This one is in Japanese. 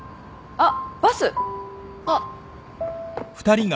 あっ。